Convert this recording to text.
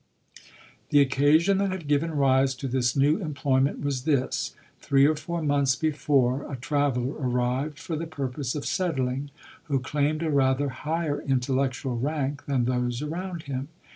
The occasion that had given rise to this new employment was this. Three or four month before, a traveller arrived for the purpose of settling, who claimed a rather higher intellec tual rank than those around him.